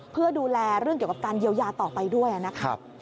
เพื่อดูแลเรื่องเกี่ยวกับการเยียวยาต่อไปด้วยนะครับ